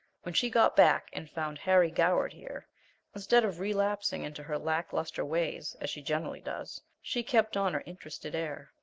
When she got back and found Harry Goward here, instead of relapsing into her lack lustre ways, as she generally does, she kept on her interested air.